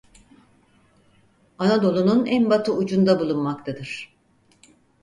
Anadolu'nun en batı ucunda bulunmaktadır.